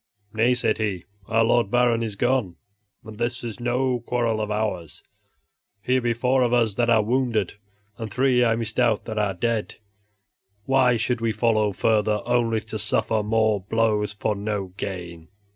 "Nay," said he, "our Lord Baron is gone, and this is no quarrel of ours; here be four of us that are wounded and three I misdoubt that are dead; why should we follow further only to suffer more blows for no gain?"